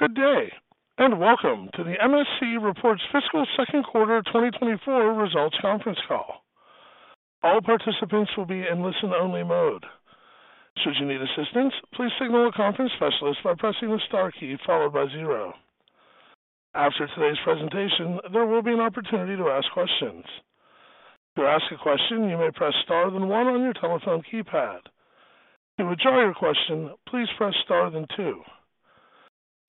Good day and welcome to the MSC reports fiscal 2nd quarter 2024 results conference call. All participants will be in listen-only mode. Should you need assistance, please signal a conference specialist by pressing the star key followed by zero. After today's presentation, there will be an opportunity to ask questions. To ask a question, you may press star then one on your telephone keypad. To withdraw your question, please press star then two.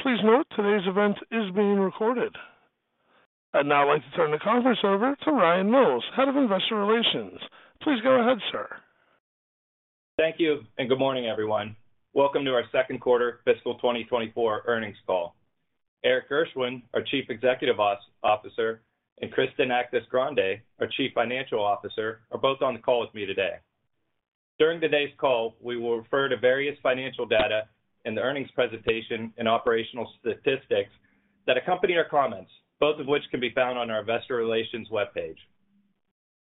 Please note today's event is being recorded. I'd now like to turn the conference over to Ryan Mills, Head of Investor Relations. Please go ahead, sir. Thank you and good morning, everyone. Welcome to our second quarter fiscal 2024 earnings call. Erik Gershwind, our Chief Executive Officer, and Kristen Actis-Grande, our Chief Financial Officer, are both on the call with me today. During today's call, we will refer to various financial data in the earnings presentation and operational statistics that accompany our comments, both of which can be found on our Investor Relations web page.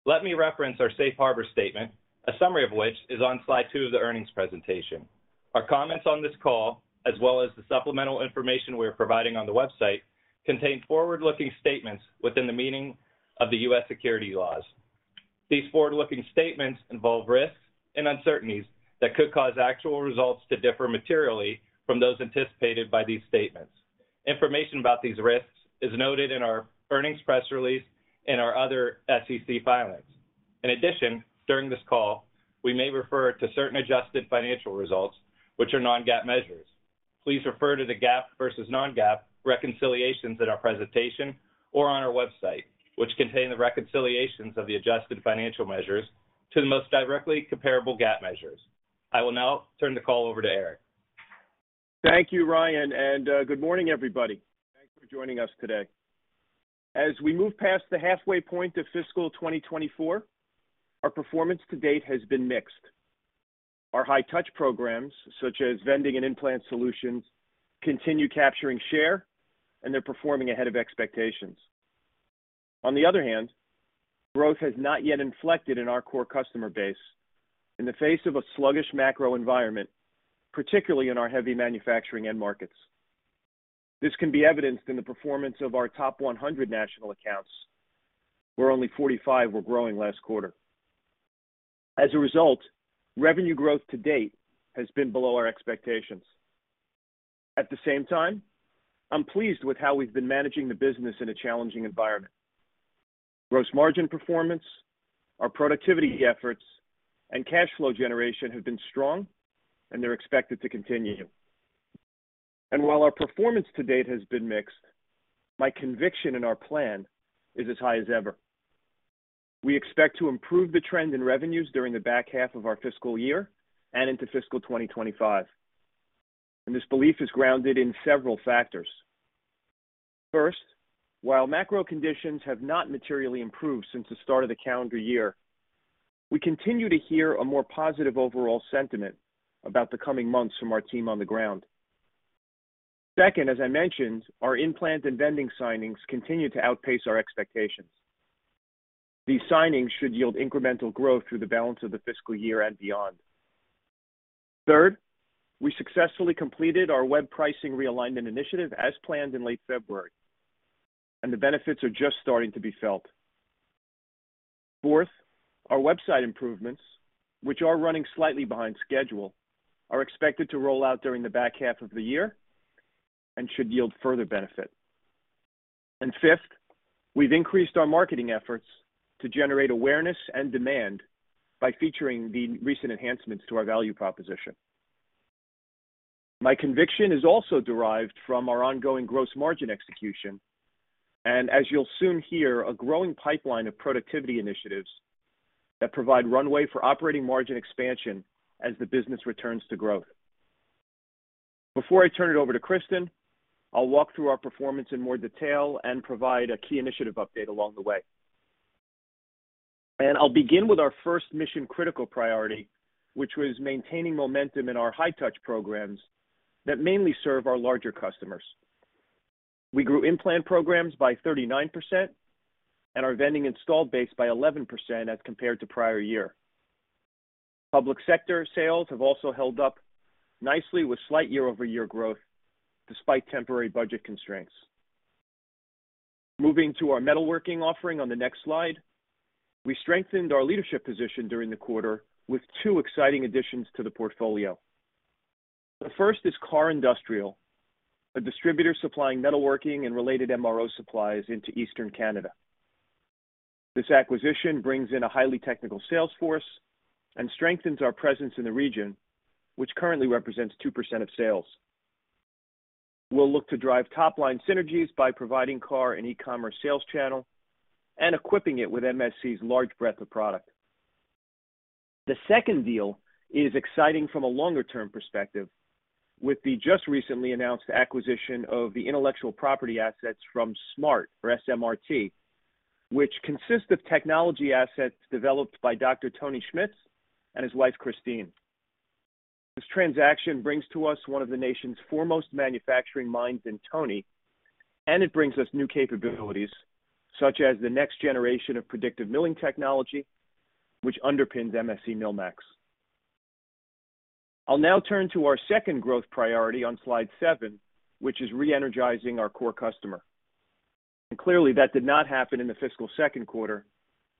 Let me reference our Safe Harbor Statement, a summary of which is on slide two of the earnings presentation. Our comments on this call, as well as the supplemental information we are providing on the website, contain forward-looking statements within the meaning of the U.S. securities laws. These forward-looking statements involve risks and uncertainties that could cause actual results to differ materially from those anticipated by these statements. Information about these risks is noted in our earnings press release and our other SEC filings. In addition, during this call, we may refer to certain adjusted financial results, which are non-GAAP measures. Please refer to the GAAP versus non-GAAP reconciliations in our presentation or on our website, which contain the reconciliations of the adjusted financial measures to the most directly comparable GAAP measures. I will now turn the call over to Erik. Thank you, Ryan, and good morning, everybody. Thanks for joining us today. As we move past the halfway point of fiscal 2024, our performance to date has been mixed. Our high-touch programs, such as vending and In-Plant solutions, continue capturing share, and they're performing ahead of expectations. On the other hand, growth has not yet inflected in our core customer base in the face of a sluggish macro environment, particularly in our heavy manufacturing end markets. This can be evidenced in the performance of our top 100 national accounts, where only 45 were growing last quarter. As a result, revenue growth to date has been below our expectations. At the same time, I'm pleased with how we've been managing the business in a challenging environment. Gross margin performance, our productivity efforts, and cash flow generation have been strong, and they're expected to continue. While our performance to date has been mixed, my conviction in our plan is as high as ever. We expect to improve the trend in revenues during the back half of our fiscal year and into fiscal 2025. This belief is grounded in several factors. First, while macro conditions have not materially improved since the start of the calendar year, we continue to hear a more positive overall sentiment about the coming months from our team on the ground. Second, as I mentioned, our implant and vending signings continue to outpace our expectations. These signings should yield incremental growth through the balance of the fiscal year and beyond. Third, we successfully completed our web pricing realignment initiative as planned in late February, and the benefits are just starting to be felt. Fourth, our website improvements, which are running slightly behind schedule, are expected to roll out during the back half of the year and should yield further benefit. And fifth, we've increased our marketing efforts to generate awareness and demand by featuring the recent enhancements to our value proposition. My conviction is also derived from our ongoing gross margin execution and, as you'll soon hear, a growing pipeline of productivity initiatives that provide runway for operating margin expansion as the business returns to growth. Before I turn it over to Kristen, I'll walk through our performance in more detail and provide a key initiative update along the way. And I'll begin with our first mission-critical priority, which was maintaining momentum in our high-touch programs that mainly serve our larger customers. We grew implant programs by 39% and our vending installed base by 11% as compared to prior year. Public sector sales have also held up nicely with slight year-over-year growth despite temporary budget constraints. Moving to our metalworking offering on the next slide, we strengthened our leadership position during the quarter with two exciting additions to the portfolio. The first is KAR Industrial, a distributor supplying metalworking and related MRO supplies into Eastern Canada. This acquisition brings in a highly technical sales force and strengthens our presence in the region, which currently represents 2% of sales. We'll look to drive top-line synergies by providing KAR an e-commerce sales channel and equipping it with MSC's large breadth of product. The second deal is exciting from a longer-term perspective with the just recently announced acquisition of the intellectual property assets from SMRT, which consists of technology assets developed by Dr. Tony Schmitz and his wife, Christine. This transaction brings to us one of the nation's foremost manufacturing minds in Tony, and it brings us new capabilities such as the next generation of predictive milling technology, which underpins MSC MillMax. I'll now turn to our second growth priority on slide seven, which is re-energizing our core customer. Clearly, that did not happen in the fiscal second quarter,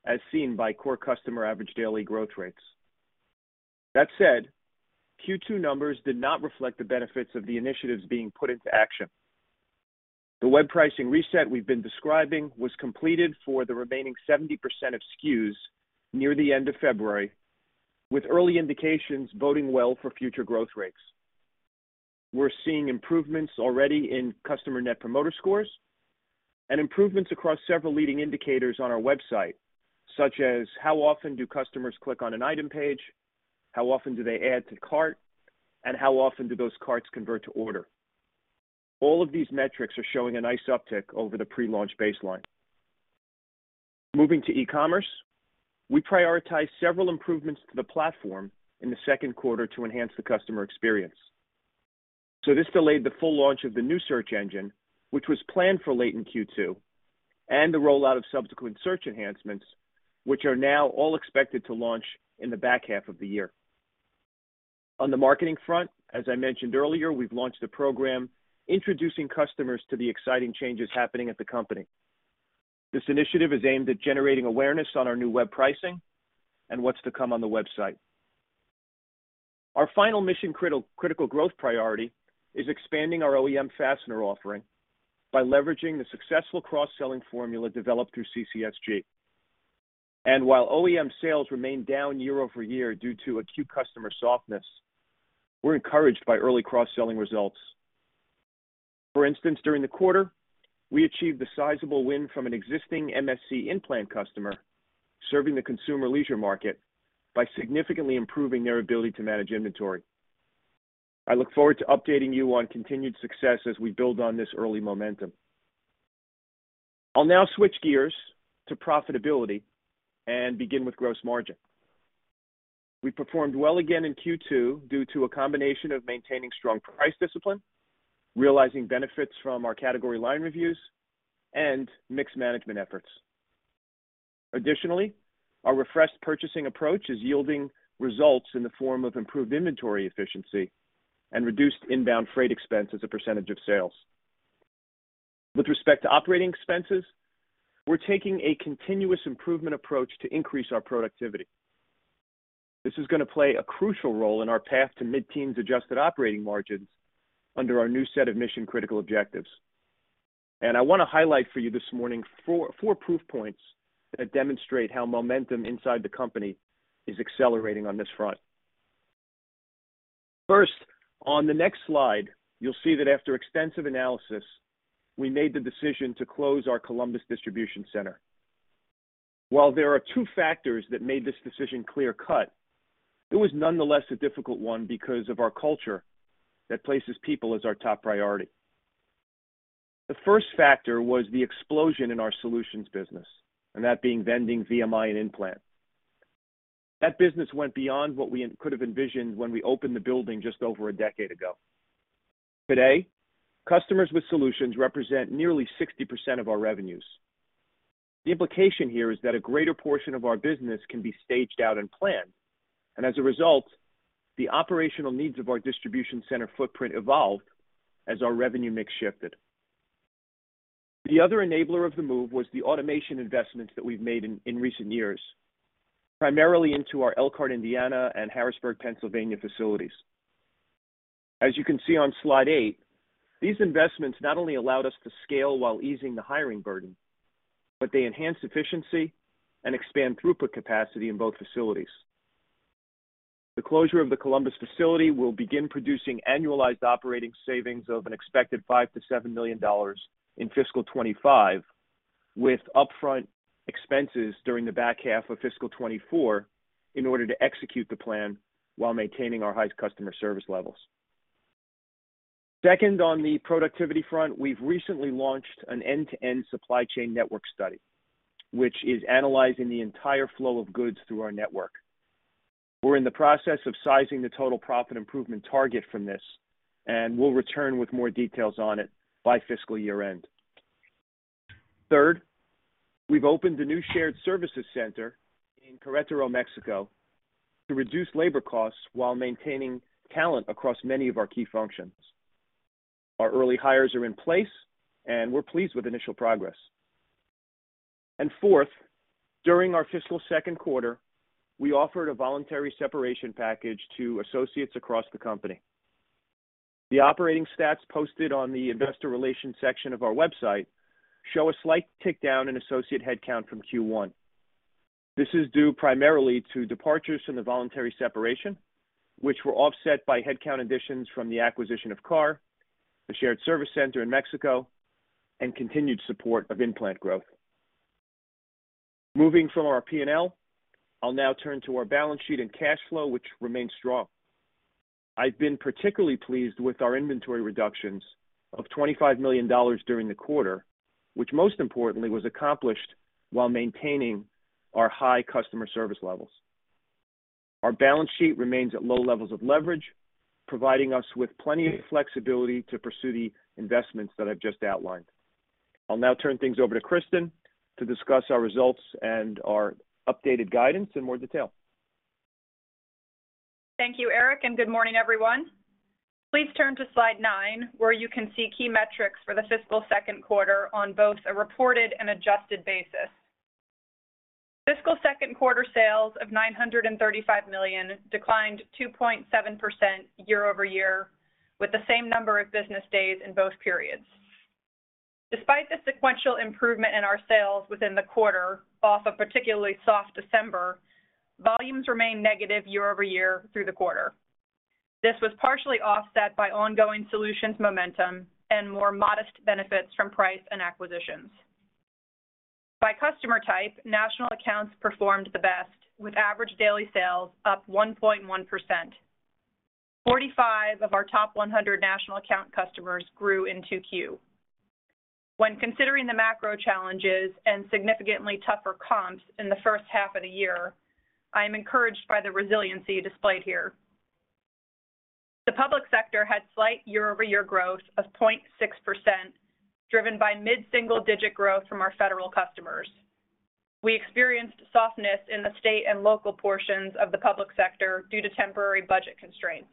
as seen by core customer average daily growth rates. That said, Q2 numbers did not reflect the benefits of the initiatives being put into action. The web pricing reset we've been describing was completed for the remaining 70% of SKUs near the end of February, with early indications boding well for future growth rates. We're seeing improvements already in customer Net Promoter Scores and improvements across several leading indicators on our website, such as how often do customers click on an item page, how often do they add to cart, and how often do those carts convert to order. All of these metrics are showing a nice uptick over the pre-launch baseline. Moving to e-commerce, we prioritize several improvements to the platform in the second quarter to enhance the customer experience. So this delayed the full launch of the new search engine, which was planned for late in Q2, and the rollout of subsequent search enhancements, which are now all expected to launch in the back half of the year. On the marketing front, as I mentioned earlier, we've launched a program introducing customers to the exciting changes happening at the company. This initiative is aimed at generating awareness on our new web pricing and what's to come on the website. Our final mission-critical growth priority is expanding our OEM fastener offering by leveraging the successful cross-selling formula developed through CCSG. While OEM sales remain down year-over-year due to acute customer softness, we're encouraged by early cross-selling results. For instance, during the quarter, we achieved a sizable win from an existing MSC In-Plant customer serving the consumer leisure market by significantly improving their ability to manage inventory. I look forward to updating you on continued success as we build on this early momentum. I'll now switch gears to profitability and begin with gross margin. We performed well again in Q2 due to a combination of maintaining strong price discipline, realizing benefits from our category line reviews, and mixed management efforts. Additionally, our refreshed purchasing approach is yielding results in the form of improved inventory efficiency and reduced inbound freight expense as a percentage of sales. With respect to operating expenses, we're taking a continuous improvement approach to increase our productivity. This is going to play a crucial role in our path to mid-teens Adjusted Operating Margins under our new set of mission-critical objectives. I want to highlight for you this morning four proof points that demonstrate how momentum inside the company is accelerating on this front. First, on the next slide, you'll see that after extensive analysis, we made the decision to close our Columbus Distribution Center. While there are two factors that made this decision clear-cut, it was nonetheless a difficult one because of our culture that places people as our top priority. The first factor was the explosion in our solutions business, and that being vending VMI and implant. That business went beyond what we could have envisioned when we opened the building just over a decade ago. Today, customers with solutions represent nearly 60% of our revenues. The implication here is that a greater portion of our business can be staged out and planned, and as a result, the operational needs of our distribution center footprint evolved as our revenue mix shifted. The other enabler of the move was the automation investments that we've made in recent years, primarily into our Elkhart, Indiana, and Harrisburg, Pennsylvania facilities. As you can see on slide eight, these investments not only allowed us to scale while easing the hiring burden, but they enhance efficiency and expand throughput capacity in both facilities. The closure of the Columbus facility will begin producing annualized operating savings of an expected $5 million-$7 million in fiscal 2025, with upfront expenses during the back half of fiscal 2024 in order to execute the plan while maintaining our highest customer service levels. Second, on the productivity front, we've recently launched an end-to-end supply chain network study, which is analyzing the entire flow of goods through our network. We're in the process of sizing the total profit improvement target from this, and we'll return with more details on it by fiscal year-end. Third, we've opened a new shared services center in Querétaro, Mexico, to reduce labor costs while maintaining talent across many of our key functions. Our early hires are in place, and we're pleased with initial progress. Fourth, during our fiscal second quarter, we offered a voluntary separation package to associates across the company. The operating stats posted on the investor relations section of our website show a slight tick down in associate headcount from Q1. This is due primarily to departures from the voluntary separation, which were offset by headcount additions from the acquisition of KAR, the shared service center in Mexico, and continued support of implant growth. Moving from our P&L, I'll now turn to our balance sheet and cash flow, which remains strong. I've been particularly pleased with our inventory reductions of $25 million during the quarter, which most importantly was accomplished while maintaining our high customer service levels. Our balance sheet remains at low levels of leverage, providing us with plenty of flexibility to pursue the investments that I've just outlined. I'll now turn things over to Kristen to discuss our results and our updated guidance in more detail. Thank you, Erik, and good morning, everyone. Please turn to slide nine, where you can see key metrics for the fiscal second quarter on both a reported and adjusted basis. Fiscal second quarter sales of $935 million declined 2.7% year-over-year with the same number of business days in both periods. Despite the sequential improvement in our sales within the quarter off a particularly soft December, volumes remain negative year-over-year through the quarter. This was partially offset by ongoing solutions momentum and more modest benefits from price and acquisitions. By customer type, national accounts performed the best, with average daily sales up 1.1%. 45 of our top 100 national account customers grew in 2Q. When considering the macro challenges and significantly tougher comps in the first half of the year, I am encouraged by the resiliency displayed here. The public sector had slight year-over-year growth of 0.6%, driven by mid-single-digit growth from our federal customers. We experienced softness in the state and local portions of the public sector due to temporary budget constraints.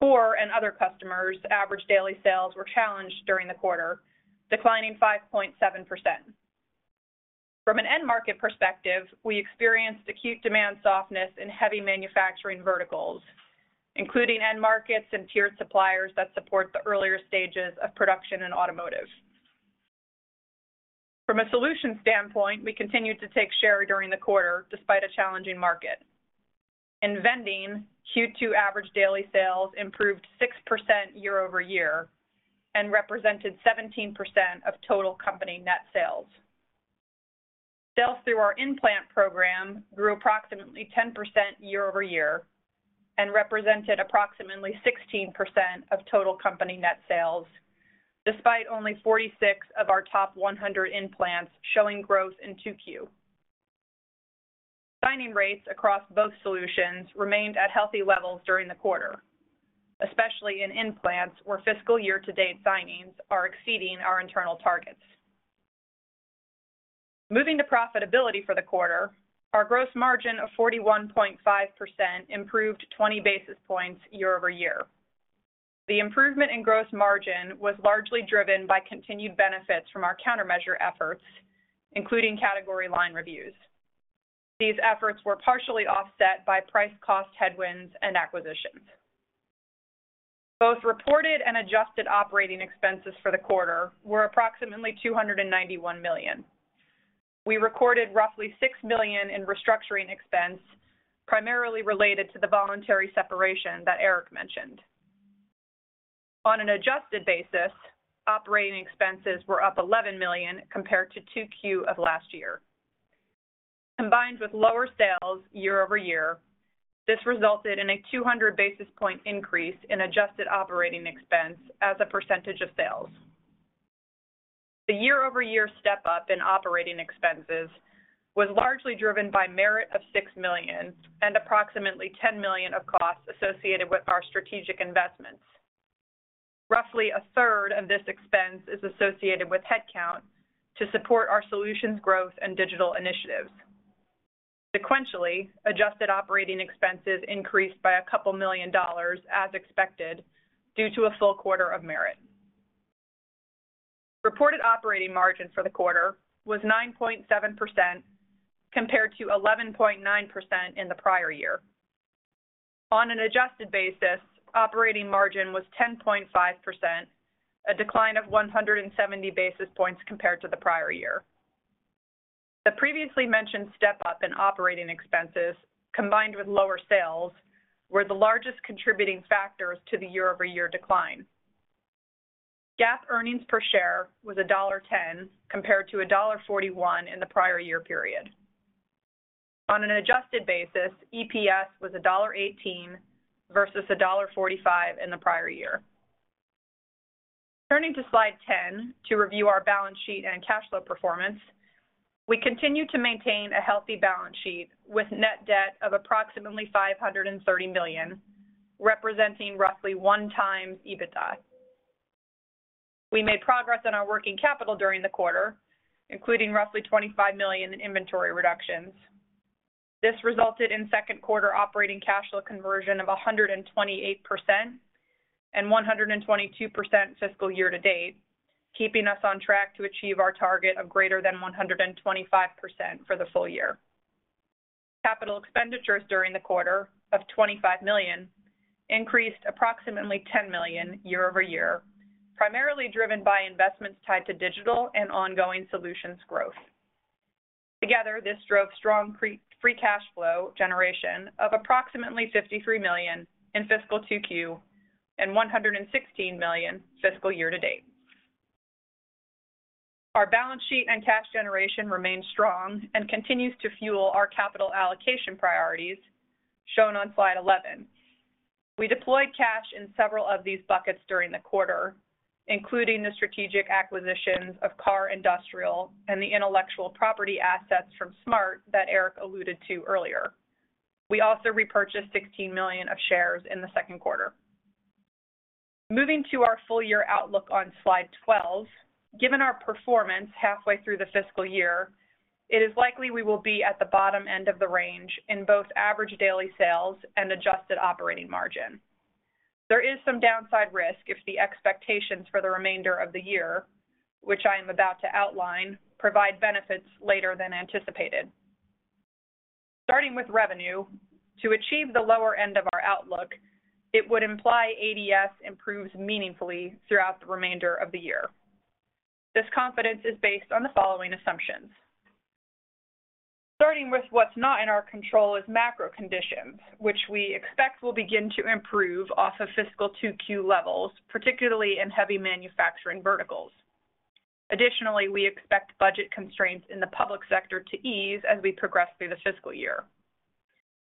KAR and other customers' average daily sales were challenged during the quarter, declining 5.7%. From an end-market perspective, we experienced acute demand softness in heavy manufacturing verticals, including end-markets and tiered suppliers that support the earlier stages of production and automotive. From a solutions standpoint, we continued to take share during the quarter despite a challenging market. In vending, Q2 average daily sales improved 6% year over year and represented 17% of total company net sales. Sales through our implant program grew approximately 10% year over year and represented approximately 16% of total company net sales, despite only 46 of our top 100 In-Plants showing growth in 2Q. Signing rates across both solutions remained at healthy levels during the quarter, especially in In-plants where fiscal year-to-date signings are exceeding our internal targets. Moving to profitability for the quarter, our gross margin of 41.5% improved 20 basis points year-over-year. The improvement in gross margin was largely driven by continued benefits from our countermeasure efforts, including category line reviews. These efforts were partially offset by price-cost headwinds and acquisitions. Both reported and adjusted operating expenses for the quarter were approximately $291 million. We recorded roughly $6 million in restructuring expense, primarily related to the voluntary separation that Erik mentioned. On an adjusted basis, operating expenses were up $11 million compared to 2Q of last year. Combined with lower sales year-over-year, this resulted in a 200-basis-point increase in adjusted operating expense as a percentage of sales. The year-over-year step-up in operating expenses was largely driven by merit of $6 million and approximately $10 million of costs associated with our strategic investments. Roughly a third of this expense is associated with headcount to support our solutions growth and digital initiatives. Sequentially, adjusted operating expenses increased by $2 million as expected due to a full quarter of merit. Reported operating margin for the quarter was 9.7% compared to 11.9% in the prior year. On an adjusted basis, operating margin was 10.5%, a decline of 170 basis points compared to the prior year. The previously mentioned step-up in operating expenses, combined with lower sales, were the largest contributing factors to the year-over-year decline. GAAP earnings per share was $1.10 compared to $1.41 in the prior year period. On an adjusted basis, EPS was $1.18 versus $1.45 in the prior year. Turning to slide 10 to review our balance sheet and cash flow performance, we continue to maintain a healthy balance sheet with net debt of approximately $530 million, representing roughly 1x EBITDA. We made progress on our working capital during the quarter, including roughly $25 million in inventory reductions. This resulted in second quarter operating cash flow conversion of 128% and 122% fiscal year-to-date, keeping us on track to achieve our target of greater than 125% for the full year. Capital expenditures during the quarter of $25 million increased approximately $10 million year-over-year, primarily driven by investments tied to digital and ongoing solutions growth. Together, this drove strong free cash flow generation of approximately $53 million in fiscal 2Q and $116 million fiscal year-to-date. Our balance sheet and cash generation remain strong and continues to fuel our capital allocation priorities, shown on slide 11. We deployed cash in several of these buckets during the quarter, including the strategic acquisitions of KAR Industrial and the intellectual property assets from SMRT that Erik alluded to earlier. We also repurchased 16 million of shares in the second quarter. Moving to our full-year outlook on slide 12, given our performance halfway through the fiscal year, it is likely we will be at the bottom end of the range in both average daily sales and adjusted operating margin. There is some downside risk if the expectations for the remainder of the year, which I am about to outline, provide benefits later than anticipated. Starting with revenue, to achieve the lower end of our outlook, it would imply ADS improves meaningfully throughout the remainder of the year. This confidence is based on the following assumptions. Starting with what's not in our control is macro conditions, which we expect will begin to improve off of fiscal 2Q levels, particularly in heavy manufacturing verticals. Additionally, we expect budget constraints in the public sector to ease as we progress through the fiscal year.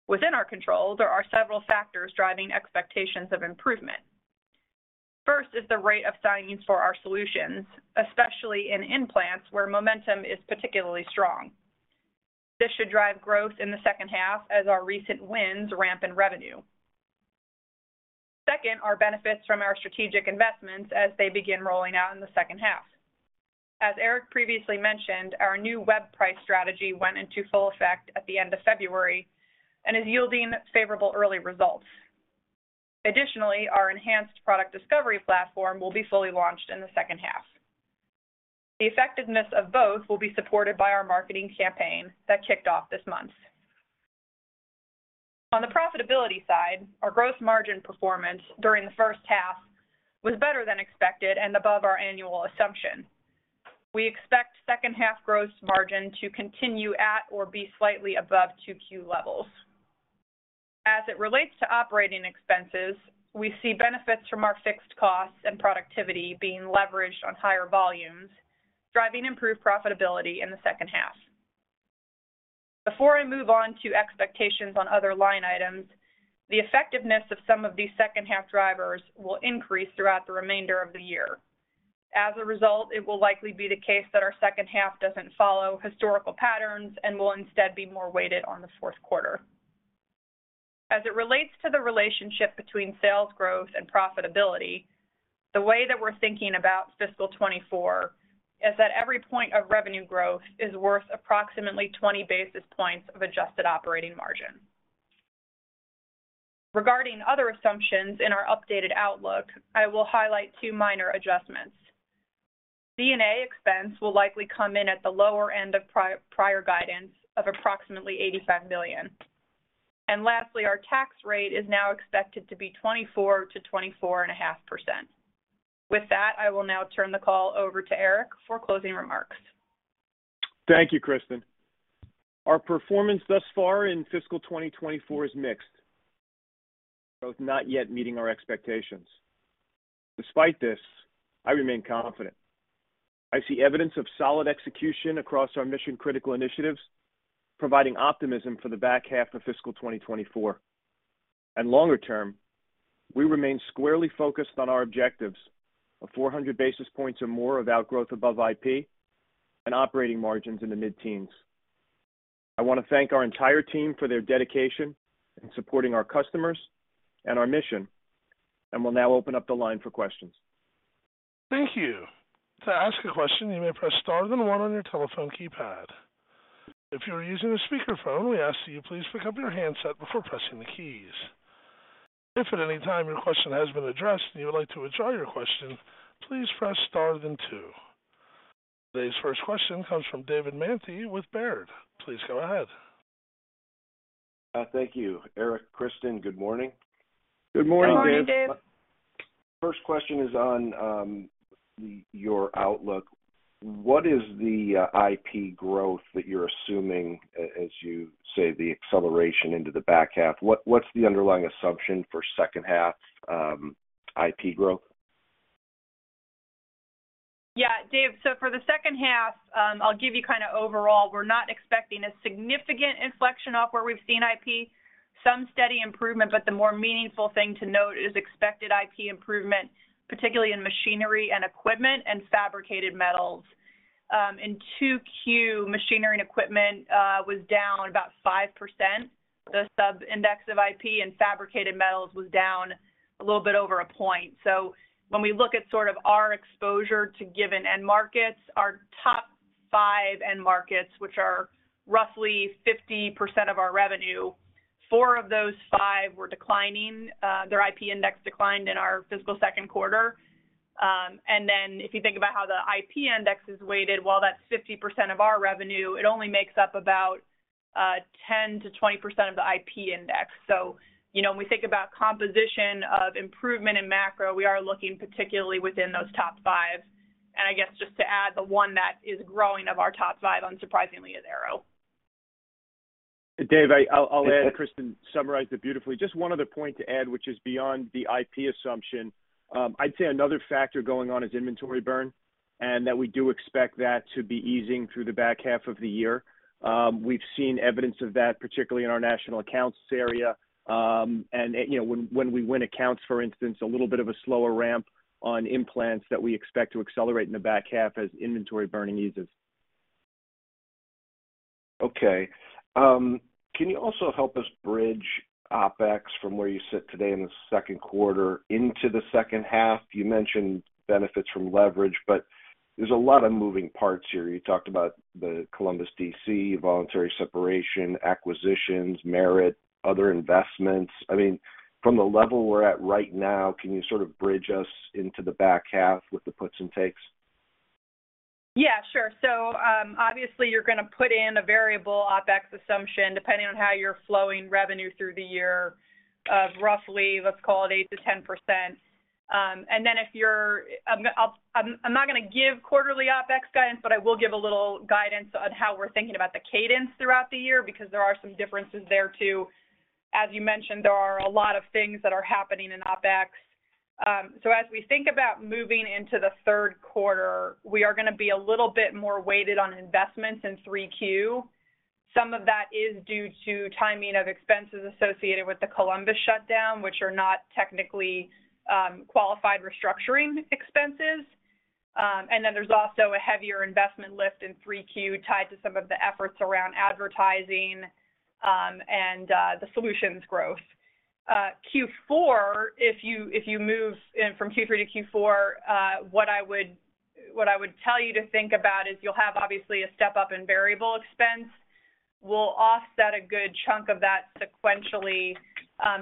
Within our control, there are several factors driving expectations of improvement. First is the rate of signings for our solutions, especially in In-Plants where momentum is particularly strong. This should drive growth in the second half as our recent wins ramp in revenue. Second, our benefits from our strategic investments as they begin rolling out in the second half. As Erik previously mentioned, our new web price strategy went into full effect at the end of February and is yielding favorable early results. Additionally, our enhanced product discovery platform will be fully launched in the second half. The effectiveness of both will be supported by our marketing campaign that kicked off this month. On the profitability side, our gross margin performance during the first half was better than expected and above our annual assumption. We expect second-half gross margin to continue at or be slightly above 2Q levels. As it relates to operating expenses, we see benefits from our fixed costs and productivity being leveraged on higher volumes, driving improved profitability in the second half. Before I move on to expectations on other line items, the effectiveness of some of these second-half drivers will increase throughout the remainder of the year. As a result, it will likely be the case that our second half doesn't follow historical patterns and will instead be more weighted on the fourth quarter. As it relates to the relationship between sales growth and profitability, the way that we're thinking about fiscal 2024 is that every point of revenue growth is worth approximately 20 basis points of adjusted operating margin. Regarding other assumptions in our updated outlook, I will highlight two minor adjustments. D&A expense will likely come in at the lower end of prior guidance of approximately $85 million. And lastly, our tax rate is now expected to be 24%-24.5%. With that, I will now turn the call over to Erik for closing remarks. Thank you, Kristen. Our performance thus far in fiscal 2024 is mixed, both not yet meeting our expectations. Despite this, I remain confident. I see evidence of solid execution across our mission-critical initiatives, providing optimism for the back half of fiscal 2024. Longer term, we remain squarely focused on our objectives of 400 basis points or more of outgrowth above IP and operating margins in the mid-teens. I want to thank our entire team for their dedication in supporting our customers and our mission, and will now open up the line for questions. Thank you. To ask a question, you may press star, then one on your telephone keypad. If you're using a speakerphone, we ask that you please pick up your handset before pressing the keys. If at any time your question has been addressed and you would like to withdraw your question, please press star, then two. Today's first question comes from David Manthey with Baird. Please go ahead. Thank you. Erik, Kristen, good morning. Good morning, Dave. Good morning, Dave. First question is on your outlook. What is the IP growth that you're assuming, as you say, the acceleration into the back half? What's the underlying assumption for second-half IP growth? Yeah, Dave. So for the second half, I'll give you kind of overall. We're not expecting a significant inflection off where we've seen IP, some steady improvement, but the more meaningful thing to note is expected IP improvement, particularly in machinery and equipment and fabricated metals. In 2Q, machinery and equipment was down about 5%, the subindex of IP, and fabricated metals was down a little bit over a point. So when we look at sort of our exposure to given end markets, our top five end markets, which are roughly 50% of our revenue, four of those five were declining. Their IP index declined in our fiscal second quarter. And then if you think about how the IP index is weighted, while that's 50% of our revenue, it only makes up about 10%-20% of the IP index. When we think about composition of improvement in macro, we are looking particularly within those top five. I guess just to add, the one that is growing of our top five, unsurprisingly, is Aero. Dave, I'll add, Kristen, summarize it beautifully. Just one other point to add, which is beyond the IP assumption. I'd say another factor going on is inventory burn and that we do expect that to be easing through the back half of the year. We've seen evidence of that, particularly in our national accounts area. And when we win accounts, for instance, a little bit of a slower ramp on In-Plants that we expect to accelerate in the back half as inventory burning eases. Okay. Can you also help us bridge OpEx from where you sit today in the second quarter into the second half? You mentioned benefits from leverage, but there's a lot of moving parts here. You talked about the Columbus, DC, voluntary separation, acquisitions, merit, other investments. I mean, from the level we're at right now, can you sort of bridge us into the back half with the puts and takes? Yeah, sure. So obviously, you're going to put in a variable OpEx assumption depending on how you're flowing revenue through the year of roughly, let's call it, 8%-10%. And then, I'm not going to give quarterly OpEx guidance, but I will give a little guidance on how we're thinking about the cadence throughout the year because there are some differences there too. As you mentioned, there are a lot of things that are happening in OpEx. So as we think about moving into the third quarter, we are going to be a little bit more weighted on investments in 3Q. Some of that is due to timing of expenses associated with the Columbus shutdown, which are not technically qualified restructuring expenses. And then there's also a heavier investment lift in 3Q tied to some of the efforts around advertising and the solutions growth. Q4, if you move from Q3 to Q4, what I would tell you to think about is you'll have, obviously, a step-up in variable expense. We'll offset a good chunk of that sequentially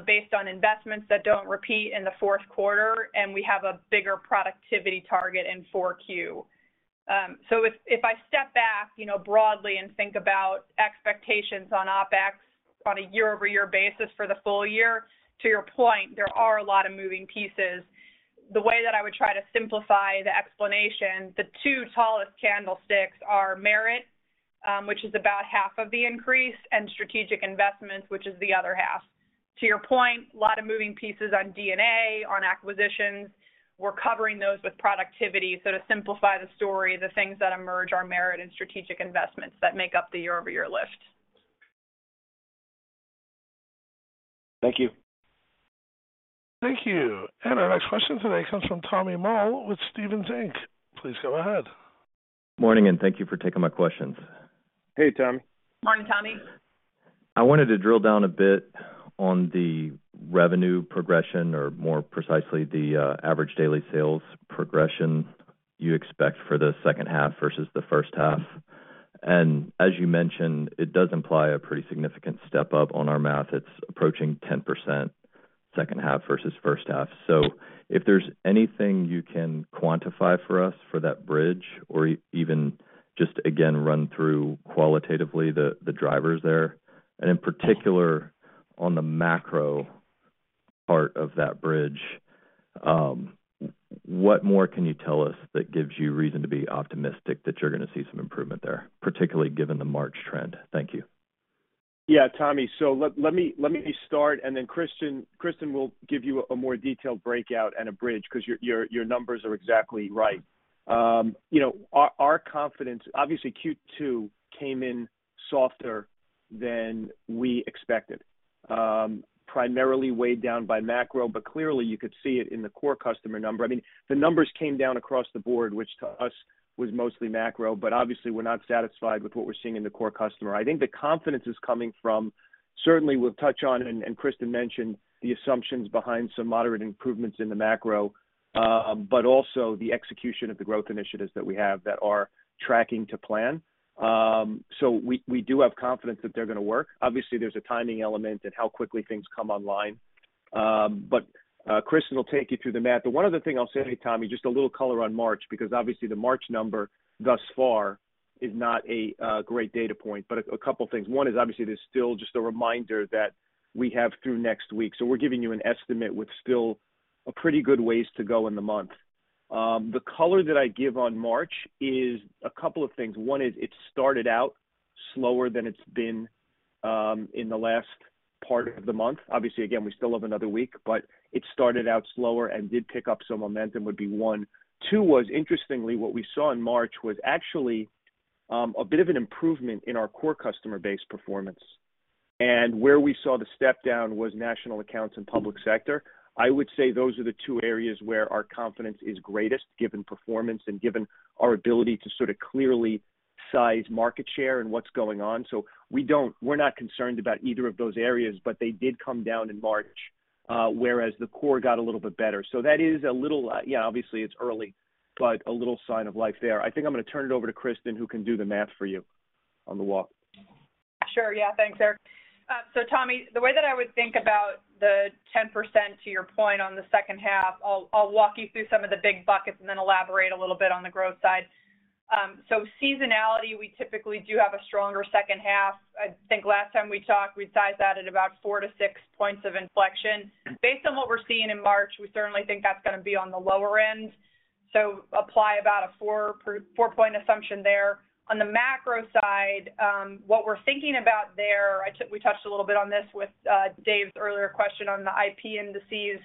based on investments that don't repeat in the fourth quarter, and we have a bigger productivity target in 4Q. So if I step back broadly and think about expectations on OpEx on a year-over-year basis for the full year, to your point, there are a lot of moving pieces. The way that I would try to simplify the explanation, the two tallest candlesticks are merit, which is about half of the increase, and strategic investments, which is the other half. To your point, a lot of moving pieces on D&A, on acquisitions. We're covering those with productivity. So to simplify the story, the things that emerge are merit and strategic investments that make up the year-over-year lift. Thank you. Thank you. Our next question today comes from Tommy Moll with Stephens Inc. Please go ahead. Morning, and thank you for taking my questions. Hey, Tommy. Morning, Tommy. I wanted to drill down a bit on the revenue progression or, more precisely, the average daily sales progression you expect for the second half versus the first half. And as you mentioned, it does imply a pretty significant step up on our math. It's approaching 10% second half versus first half. So if there's anything you can quantify for us for that bridge or even just, again, run through qualitatively the drivers there, and in particular, on the macro part of that bridge, what more can you tell us that gives you reason to be optimistic that you're going to see some improvement there, particularly given the March trend? Thank you. Yeah, Tommy. So let me start, and then Kristen will give you a more detailed breakout and a bridge because your numbers are exactly right. Our confidence, obviously, Q2 came in softer than we expected, primarily weighed down by macro, but clearly, you could see it in the core customer number. I mean, the numbers came down across the board, which to us was mostly macro, but obviously, we're not satisfied with what we're seeing in the core customer. I think the confidence is coming from, certainly, we'll touch on and Kristen mentioned, the assumptions behind some moderate improvements in the macro, but also the execution of the growth initiatives that we have that are tracking to plan. So we do have confidence that they're going to work. Obviously, there's a timing element and how quickly things come online. But Kristen will take you through the math. But one other thing I'll say, Tommy, just a little color on March because obviously, the March number thus far is not a great data point, but a couple of things. One is, obviously, there's still just a reminder that we have through next week. So we're giving you an estimate with still a pretty good ways to go in the month. The color that I give on March is a couple of things. One is it started out slower than it's been in the last part of the month. Obviously, again, we still have another week, but it started out slower and did pick up some momentum would be one. Two was, interestingly, what we saw in March was actually a bit of an improvement in our core customer base performance. And where we saw the step down was national accounts and public sector. I would say those are the two areas where our confidence is greatest given performance and given our ability to sort of clearly size market share and what's going on. So we're not concerned about either of those areas, but they did come down in March, whereas the core got a little bit better. So that is a little yeah, obviously, it's early, but a little sign of life there. I think I'm going to turn it over to Kristen, who can do the math for you on the wall. Sure. Yeah, thanks, Erik. So Tommy, the way that I would think about the 10% to your point on the second half, I'll walk you through some of the big buckets and then elaborate a little bit on the growth side. Seasonality, we typically do have a stronger second half. I think last time we talked, we sized that at about four to six points of inflection. Based on what we're seeing in March, we certainly think that's going to be on the lower end. So apply about a four point assumption there. On the macro side, what we're thinking about there, we touched a little bit on this with Dave's earlier question on the IP indices,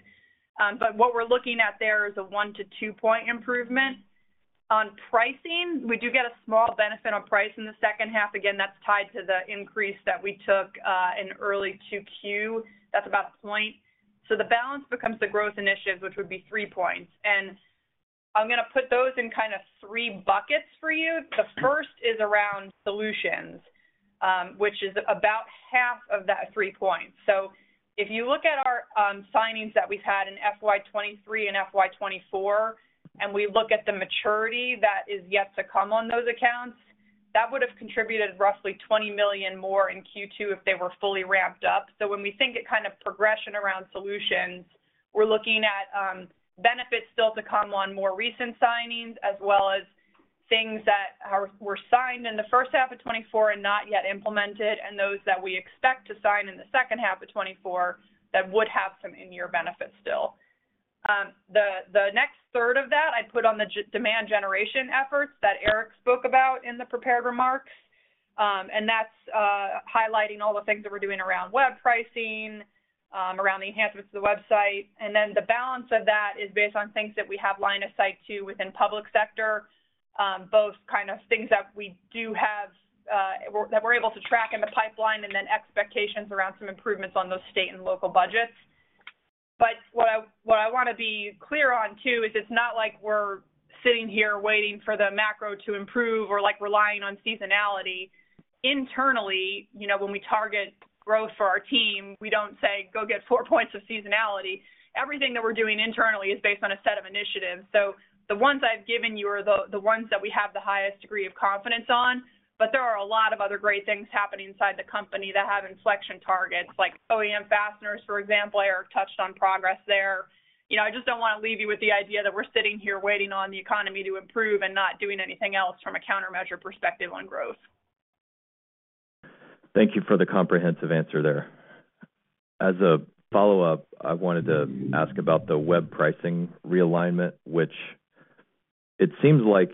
but what we're looking at there is a one to two point improvement. On pricing, we do get a small benefit on price in the second half. Again, that's tied to the increase that we took in early 2Q. That's about a point. So the balance becomes the growth initiatives, which would be three points. I'm going to put those in kind of three buckets for you. The first is around solutions, which is about half of that three points. So if you look at our signings that we've had in FY 2023 and FY 2024, and we look at the maturity that is yet to come on those accounts, that would have contributed roughly $20 million more in Q2 if they were fully ramped up. So when we think of kind of progression around solutions, we're looking at benefits still to come on more recent signings as well as things that were signed in the first half of 2024 and not yet implemented and those that we expect to sign in the second half of 2024 that would have some in-year benefits still. The next third of that, I'd put on the demand generation efforts that Erik spoke about in the prepared remarks. And that's highlighting all the things that we're doing around web pricing, around the enhancements to the website. And then the balance of that is based on things that we have line of sight to within public sector, both kind of things that we do have that we're able to track in the pipeline and then expectations around some improvements on those state and local budgets. But what I want to be clear on too is it's not like we're sitting here waiting for the macro to improve or relying on seasonality. Internally, when we target growth for our team, we don't say, "Go get four points of seasonality." Everything that we're doing internally is based on a set of initiatives. So the ones I've given you are the ones that we have the highest degree of confidence on. But there are a lot of other great things happening inside the company that have inflection targets like OEM fasteners, for example. Erik touched on progress there. I just don't want to leave you with the idea that we're sitting here waiting on the economy to improve and not doing anything else from a countermeasure perspective on growth. Thank you for the comprehensive answer there. As a follow-up, I wanted to ask about the web pricing realignment, which it seems like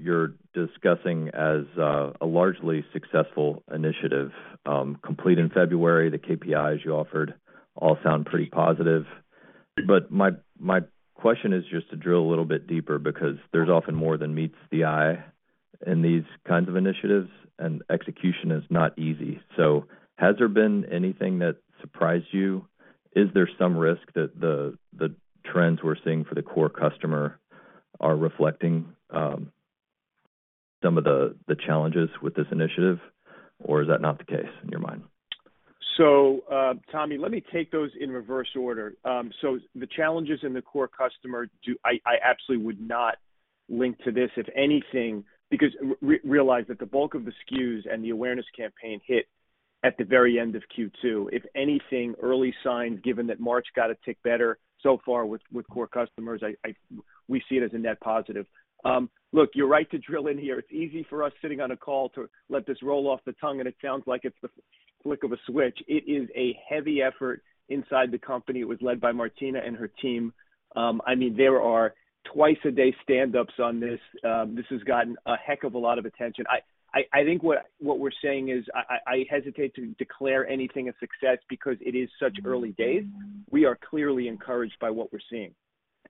you're discussing as a largely successful initiative. Complete in February, the KPIs you offered all sound pretty positive. But my question is just to drill a little bit deeper because there's often more than meets the eye in these kinds of initiatives, and execution is not easy. So has there been anything that surprised you? Is there some risk that the trends we're seeing for the core customer are reflecting some of the challenges with this initiative, or is that not the case in your mind? So Tommy, let me take those in reverse order. So the challenges in the core customer, I absolutely would not link to this, if anything, because realize that the bulk of the SKUs and the awareness campaign hit at the very end of Q2. If anything, early signs, given that March got a tick better so far with core customers, we see it as a net positive. Look, you're right to drill in here. It's easy for us sitting on a call to let this roll off the tongue, and it sounds like it's the flick of a switch. It is a heavy effort inside the company. It was led by Martina and her team. I mean, there are twice-a-day standups on this. This has gotten a heck of a lot of attention. I think what we're saying is I hesitate to declare anything a success because it is such early days. We are clearly encouraged by what we're seeing.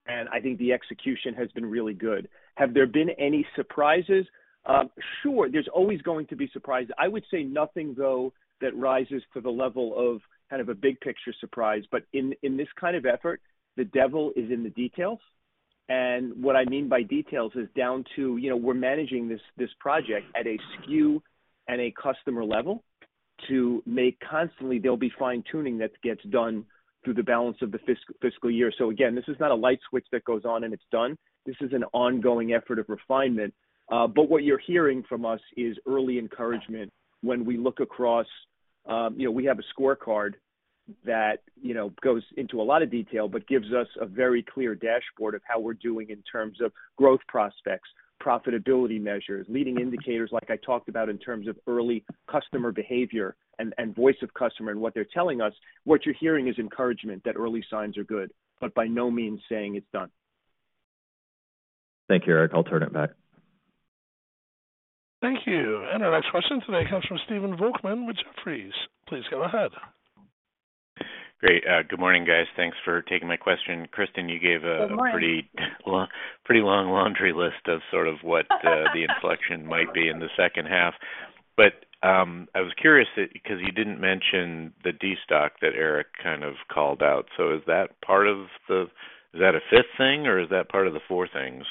And I think the execution has been really good. Have there been any surprises? Sure, there's always going to be surprises. I would say nothing, though, that rises to the level of kind of a big-picture surprise. But in this kind of effort, the devil is in the details. And what I mean by details is down to we're managing this project at a SKU and a customer level to make constantly there'll be fine-tuning that gets done through the balance of the fiscal year. So again, this is not a light switch that goes on and it's done. This is an ongoing effort of refinement. But what you're hearing from us is early encouragement when we look across. We have a scorecard that goes into a lot of detail but gives us a very clear dashboard of how we're doing in terms of growth prospects, profitability measures, leading indicators like I talked about in terms of early customer behavior and voice of customer and what they're telling us. What you're hearing is encouragement that early signs are good but by no means saying it's done. Thank you, Erik. I'll turn it back. Thank you. Our next question today comes from Stephen Volkmann with Jefferies. Please go ahead. Great. Good morning, guys. Thanks for taking my question. Kristen, you gave a pretty long laundry list of sort of what the inflection might be in the second half. But I was curious because you didn't mention the destock that Erik kind of called out. So is that part of the, is that a fifth thing, or is that part of the four things?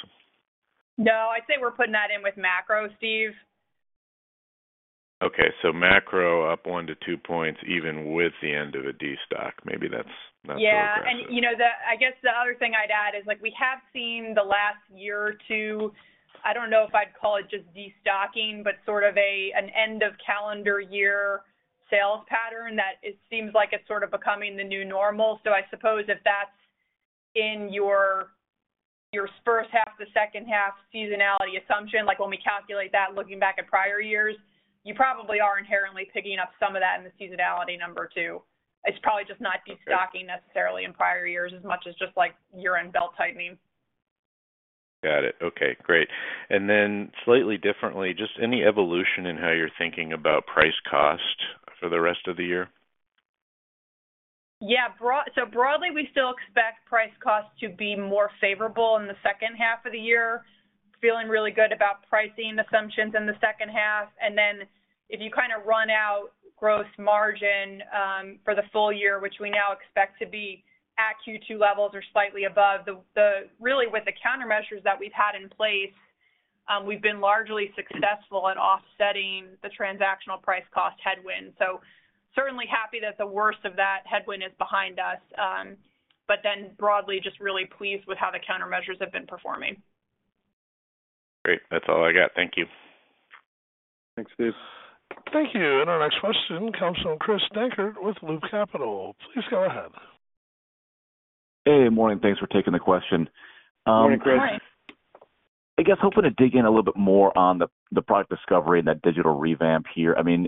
No, I'd say we're putting that in with macro, Steve. Okay. So macro up one to two points even with the end of a destock. Maybe that's the approach. Yeah. And I guess the other thing I'd add is we have seen the last year or two. I don't know if I'd call it just destocking, but sort of an end-of-calendar year sales pattern that it seems like it's sort of becoming the new normal. So I suppose if that's in your first half, the second half, seasonality assumption, when we calculate that looking back at prior years, you probably are inherently picking up some of that in the seasonality number too. It's probably just not destocking necessarily in prior years as much as just year-end belt-tightening. Got it. Okay. Great. And then slightly differently, just any evolution in how you're thinking about price cost for the rest of the year? Yeah. So broadly, we still expect price cost to be more favorable in the second half of the year, feeling really good about pricing assumptions in the second half. And then if you kind of run out gross margin for the full year, which we now expect to be at Q2 levels or slightly above, really, with the countermeasures that we've had in place, we've been largely successful at offsetting the transactional price cost headwind. So certainly happy that the worst of that headwind is behind us. But then broadly, just really pleased with how the countermeasures have been performing. Great. That's all I got. Thank you. Thanks, Steve. Thank you. Our next question comes from Chris Dankert with Loop Capital. Please go ahead. Hey. Good morning. Thanks for taking the question. Good morning, Chris. Good morning. I guess hoping to dig in a little bit more on the product discovery and that digital revamp here. I mean,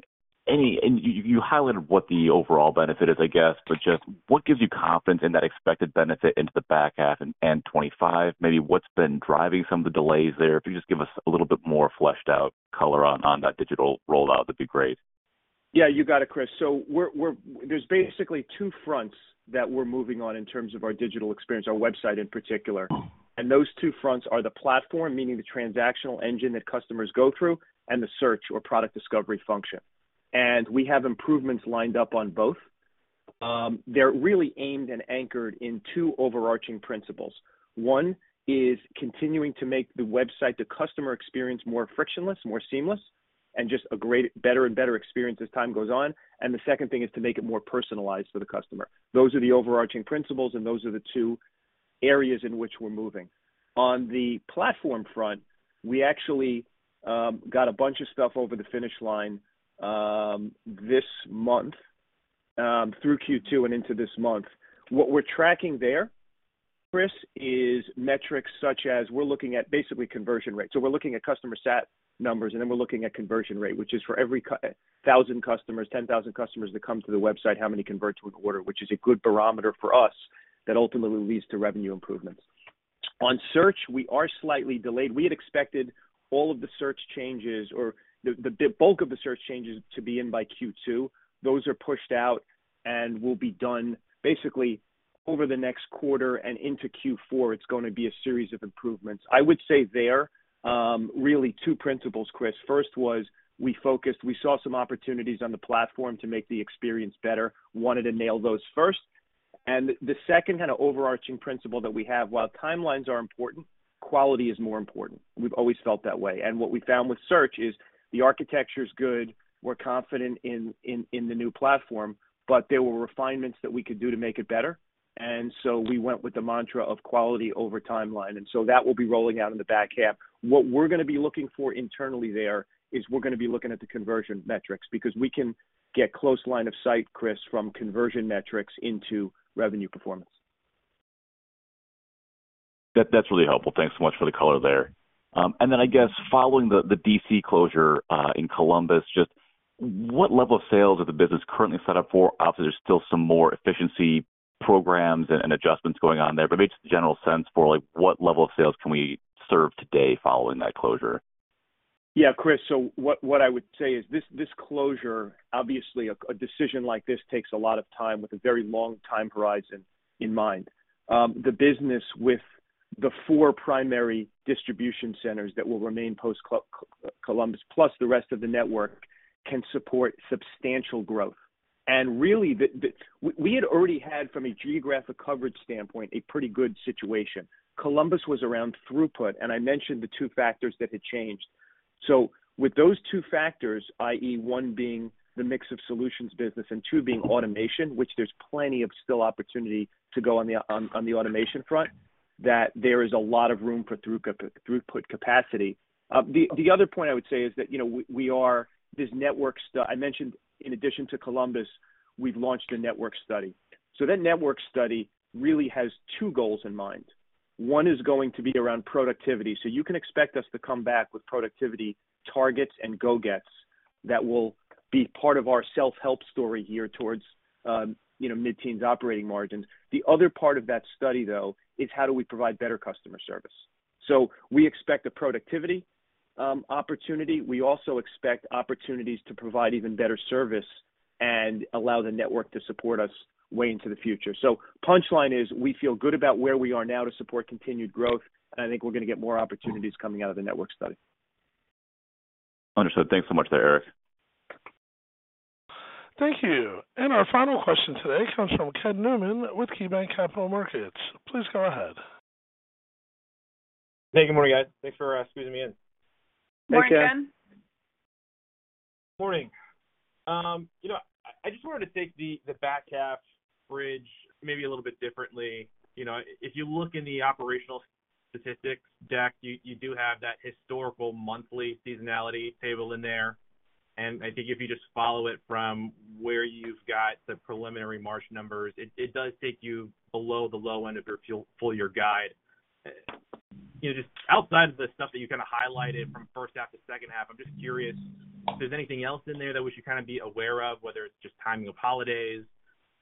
and you highlighted what the overall benefit is, I guess, but just what gives you confidence in that expected benefit into the back half and 2025? Maybe what's been driving some of the delays there? If you could just give us a little bit more fleshed-out color on that digital rollout, that'd be great. Yeah, you got it, Chris. So there's basically two fronts that we're moving on in terms of our digital experience, our website in particular. And those two fronts are the platform, meaning the transactional engine that customers go through, and the search or product discovery function. And we have improvements lined up on both. They're really aimed and anchored in two overarching principles. One is continuing to make the website, the customer experience, more frictionless, more seamless, and just a better and better experience as time goes on. And the second thing is to make it more personalized for the customer. Those are the overarching principles, and those are the two areas in which we're moving. On the platform front, we actually got a bunch of stuff over the finish line this month through Q2 and into this month. What we're tracking there, Chris, is metrics such as we're looking at basically conversion rate. So we're looking at customer sat numbers, and then we're looking at conversion rate, which is for every 1,000 customers, 10,000 customers that come to the website? How many convert to an order which is a good barometer for us that ultimately leads to revenue improvements? On search, we are slightly delayed. We had expected all of the search changes or the bulk of the search changes to be in by Q2. Those are pushed out and will be done basically over the next quarter and into Q4. It's going to be a series of improvements. I would say there, really, two principles, Chris. First was we saw some opportunities on the platform to make the experience better, wanted to nail those first. The second kind of overarching principle that we have, while timelines are important, quality is more important. We've always felt that way. What we found with search is the architecture's good. We're confident in the new platform, but there were refinements that we could do to make it better. So we went with the mantra of quality over timeline. So that will be rolling out in the back half. What we're going to be looking for internally there is we're going to be looking at the conversion metrics because we can get close line of sight, Chris, from conversion metrics into revenue performance. That's really helpful. Thanks so much for the color there. Then I guess following the DC closure in Columbus, just what level of sales is the business currently set up for? Obviously, there's still some more efficiency programs and adjustments going on there, but maybe just a general sense for what level of sales can we serve today following that closure? Yeah, Chris. So what I would say is this closure, obviously, a decision like this takes a lot of time with a very long time horizon in mind. The business with the four primary distribution centers that will remain post-Columbus, plus the rest of the network, can support substantial growth. And really, we had already had, from a geographic coverage standpoint, a pretty good situation. Columbus was around throughput, and I mentioned the two factors that had changed. So with those two factors, i.e., one being the mix of solutions business and two being automation, which there's plenty of still opportunity to go on the automation front, that there is a lot of room for throughput capacity. The other point I would say is that we are this network I mentioned, in addition to Columbus, we've launched a network study. So that network study really has two goals in mind. One is going to be around productivity. So you can expect us to come back with productivity targets and go-gets that will be part of our self-help story here towards mid-teens operating margins. The other part of that study, though, is how do we provide better customer service? So we expect a productivity opportunity. We also expect opportunities to provide even better service and allow the network to support us way into the future. So punchline is we feel good about where we are now to support continued growth, and I think we're going to get more opportunities coming out of the network study. Understood. Thanks so much there, Erik. Thank you. And our final question today comes from Ken Newman with KeyBank Capital Markets. Please go ahead. Hey. Good morning, guys. Thanks for squeezing me in. Morning, Ken. Morning. I just wanted to take the back half bridge maybe a little bit differently. If you look in the operational statistics deck, you do have that historical monthly seasonality table in there. And I think if you just follow it from where you've got the preliminary March numbers, it does take you below the low end of your full-year guide. Just outside of the stuff that you kind of highlighted from first half to second half, I'm just curious, is there anything else in there that we should kind of be aware of, whether it's just timing of holidays?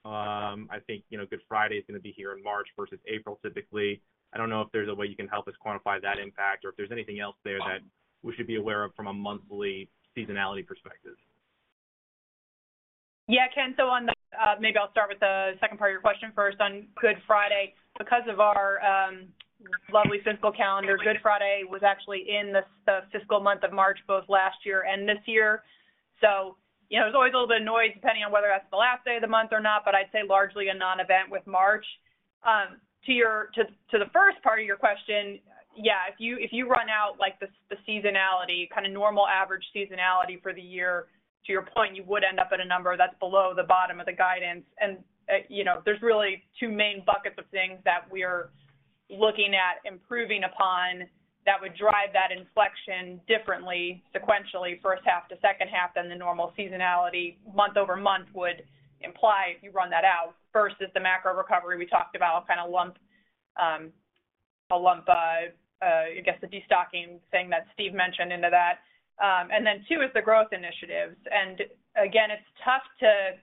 I think Good Friday is going to be here in March versus April, typically. I don't know if there's a way you can help us quantify that impact or if there's anything else there that we should be aware of from a monthly seasonality perspective. Yeah, Ken. So maybe I'll start with the second part of your question first. On Good Friday, because of our lovely fiscal calendar, Good Friday was actually in the fiscal month of March both last year and this year. So there's always a little bit of noise depending on whether that's the last day of the month or not, but I'd say largely a non-event with March. To the first part of your question, yeah, if you run out the seasonality, kind of normal average seasonality for the year, to your point, you would end up at a number that's below the bottom of the guidance. There's really two main buckets of things that we're looking at improving upon that would drive that inflection differently, sequentially, first half to second half, than the normal seasonality month-over-month would imply if you run that out versus the macro recovery we talked about, kind of a lump, I guess, the destocking thing that Steve mentioned into that. Then two is the growth initiatives. And again, it's tough to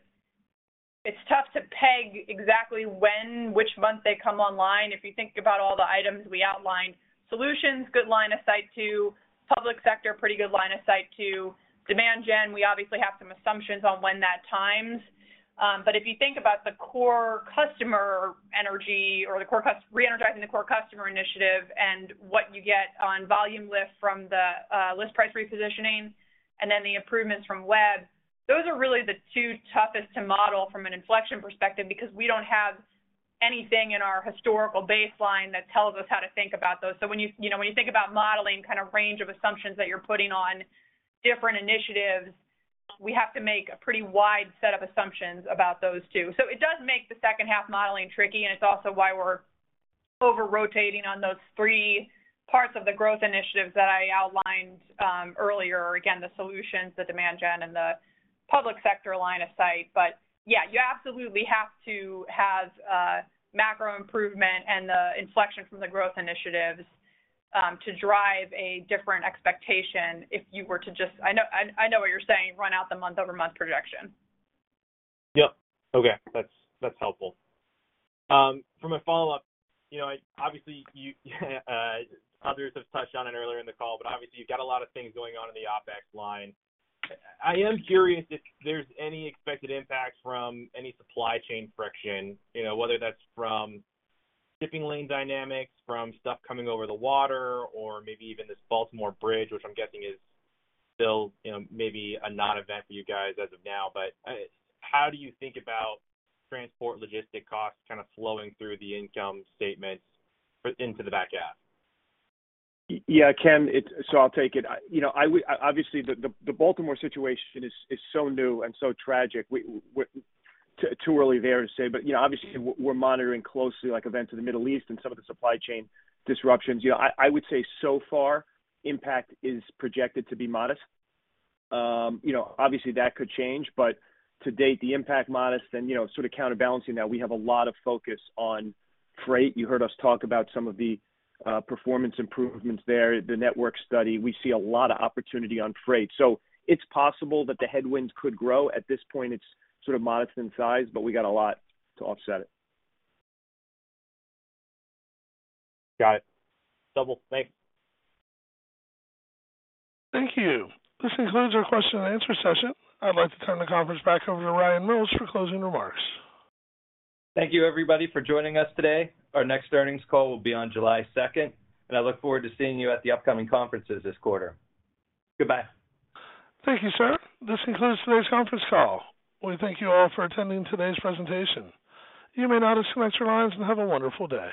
peg exactly when, which month they come online. If you think about all the items we outlined, solutions, good line of sight to; public sector, pretty good line of sight to; demand gen, we obviously have some assumptions on when that times. But if you think about the core customer energy or re-energizing the core customer initiative and what you get on volume lift from the list price repositioning and then the improvements from web, those are really the two toughest to model from an inflection perspective because we don't have anything in our historical baseline that tells us how to think about those. So when you think about modeling kind of range of assumptions that you're putting on different initiatives, we have to make a pretty wide set of assumptions about those two. So it does make the second half modeling tricky, and it's also why we're over-rotating on those three parts of the growth initiatives that I outlined earlier. Again, the solutions, the demand gen, and the public sector line of sight. But yeah, you absolutely have to have macro improvement and the inflection from the growth initiatives to drive a different expectation if you were to just, I know what you're saying, run out the month-over-month projection. Yep. Okay. That's helpful. For my follow-up, obviously, others have touched on it earlier in the call, but obviously, you've got a lot of things going on in the OpEx line. I am curious if there's any expected impacts from any supply chain friction, whether that's from shipping lane dynamics, from stuff coming over the water, or maybe even this Baltimore bridge, which I'm guessing is still maybe a non-event for you guys as of now. But how do you think about transport logistic costs kind of flowing through the income statements into the back half? Yeah, Ken, so I'll take it. Obviously, the Baltimore situation is so new and so tragic. Too early there to say, but obviously, we're monitoring closely events in the Middle East and some of the supply chain disruptions. I would say so far, impact is projected to be modest. Obviously, that could change. But to date, the impact modest, and sort of counterbalancing that, we have a lot of focus on freight. You heard us talk about some of the performance improvements there, the network study. We see a lot of opportunity on freight. So it's possible that the headwinds could grow. At this point, it's sort of modest in size, but we got a lot to offset it. Got it. Double. Thanks. Thank you. This includes our question and answer session. I'd like to turn the conference back over to Ryan Mills for closing remarks. Thank you, everybody, for joining us today. Our next earnings call will be on July 2nd, and I look forward to seeing you at the upcoming conferences this quarter. Goodbye. Thank you, sir. This concludes today's conference call. We thank you all for attending today's presentation. You may now disconnect your lines and have a wonderful day.